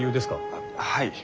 はい。